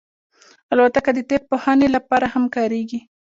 الوتکه د طب پوهنې لپاره هم کارېږي.